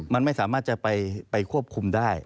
มันไม่สามารถจะไปควบคุมได้